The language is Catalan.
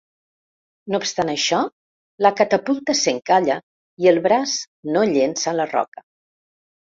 No obstant això, la catapulta s'encalla i el braç no llença la roca.